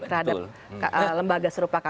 terhadap lembaga serupa kpk